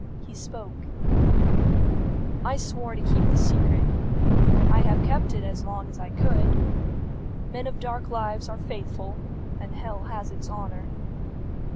He spoke, "I swore to keep the secret. I have kept it as long as I could. Men of dark lives are faithful, and hell has its honour.